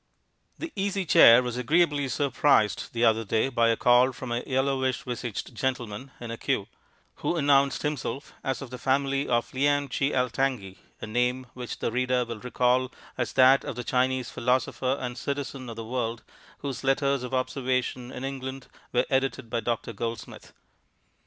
The Easy Chair was agreeably surprised the other day by a call from a yellowish visaged gentleman in a queue, who announced himself as of the family of Lien Chi Altangi, a name which the reader will recall as that of the Chinese philosopher and citizen of the world whose letters of observation in England were edited by Dr. Goldsmith.